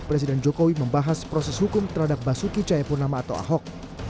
presiden jokowi membahas proses hukum terhadap basuki cahayapurnama atau ahok